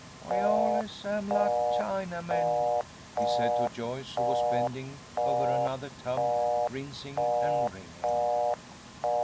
"We allee samee lak Chinamen," he said to Joyce, who was bending over another tub, rinsing and wringing.